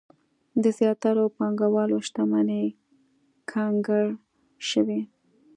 د زیاترو پانګوالو شتمنۍ کنګل شوې.